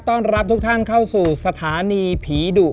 ต้อนรับทุกท่านเข้าสู่สถานีผีดุ